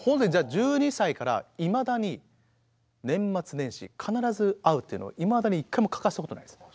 １２歳からいまだに年末年始必ず会うっていうのをいまだに一回も欠かしたことないです。